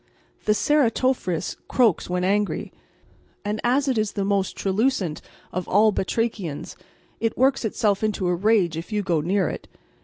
The Ceratophrys croaks when angry, and as it is the most truculent of all batrachians it works itself into a rage if you go near it.